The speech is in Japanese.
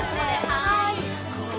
はい。